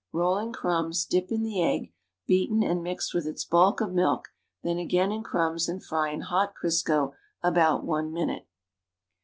Roll in^ crumbs, dip in the egg, beaten and mixed with its bulk of milk, then again in crumbs and fry in hot Crisco about one minute.